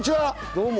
どうも。